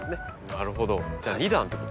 なるほどじゃあ２段ってことですね。